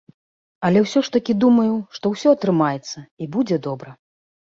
Але ўсё ж такі думаю, што ўсё атрымаецца і будзе добра.